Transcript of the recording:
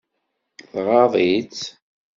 Tɣaḍ-itt.